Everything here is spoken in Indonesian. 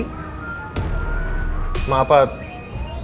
ma apa apa jangan jangan riki sama elsa emang ada hubungan